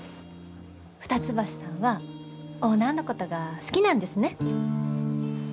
二ツ橋さんはオーナーのことが好きなんですね？